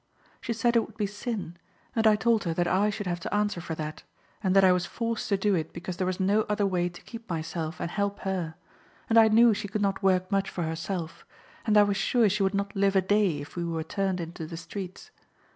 She said it would be sin, and I told her that I should have to answer for that, and that I was forced to do it because there was no other way to keep myself and help her, and I knew she could not work much for herself, and I was sure she would not live a day if we were turned into the streets.